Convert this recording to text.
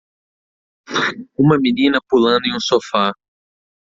Uma menina pulando em um sofá.